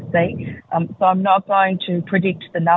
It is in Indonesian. jadi saya tidak akan menghitung jumlahnya